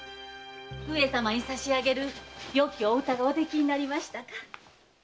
上様に差し上げるよきお歌ができましたか？